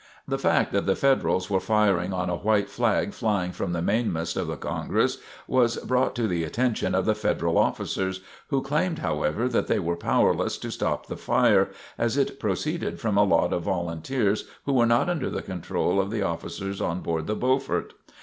The fact that the Federals were firing on a white flag flying from the mainmast of the "Congress" was brought to the attention of the Federal officers, who claimed, however, that they were powerless to stop the fire as it proceeded from a lot of volunteers who were not under the control of the officers on board the "Beaufort."